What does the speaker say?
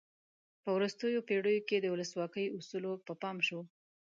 په وروستیو پیړیو کې د ولسواکۍ اصولو ته پام شو.